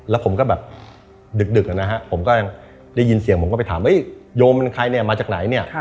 แล้วผมก็แบบดึกอ่ะนะฮะได้ยินเสียงผมก็ไปถามโยนมันใครเนี่ยมาจากไหนเนี่ย